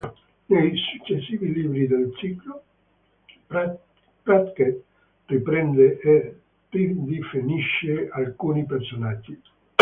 Nei successivi libri del ciclo, Pratchett riprende e ridefinisce alcuni personaggi.